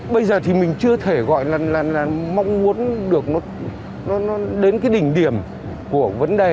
bây giờ thì mình chưa thể gọi là mong muốn được nó đến cái đỉnh điểm của vấn đề